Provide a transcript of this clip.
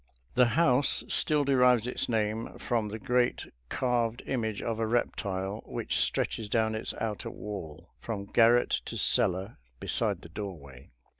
The house still derives its name from the great carved image of a reptile which stretches down its outer wall, from garret to cellar, beside the doorway.